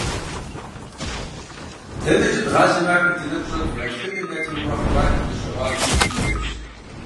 Дэнэкӏэ дгъазэми ахэр ди нэгу щӏэту, я тхыдэм, ятеухуа хъыбархэм дыщыгъуазэу щытын хуейщ.